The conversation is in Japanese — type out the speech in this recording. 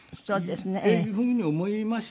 いうふうに思いましてね。